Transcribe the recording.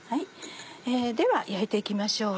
では焼いて行きましょう。